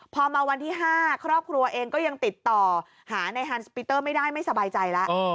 พอมาวันที่๕ครอบครัวเองก็ยังติดต่อหาในฮันสปีเตอร์ไม่ได้ไม่สบายใจแล้ว